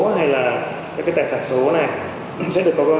hay là các tài sản số này sẽ được có những quy định rõ ràng